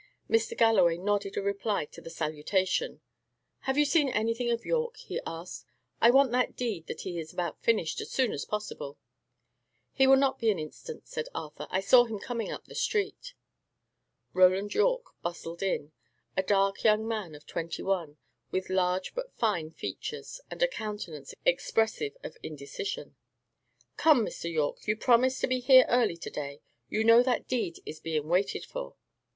Mr. Galloway nodded a reply to the salutation. "Have you seen anything of Yorke?" he asked. "I want that deed that he's about finished as soon as possible." "He will not be an instant," said Arthur. "I saw him coming up the street." Roland Yorke bustled in; a dark young man of twenty one, with large but fine features, and a countenance expressive of indecision. "Come, Mr. Yorke, you promised to be here early to day. You know that deed is being waited for."